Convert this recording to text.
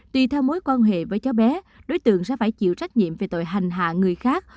tùy theo mối quan hệ với cháu bé đối tượng sẽ phải chịu trách nhiệm về tội hành hạ người khác